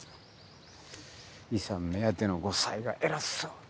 遺産目当ての後妻が偉そうに。